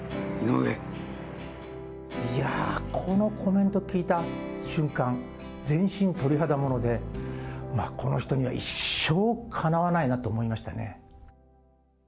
いやー、このコメント聞いた瞬間、全身鳥肌もので、この人には一生かなわないなって思いましたね。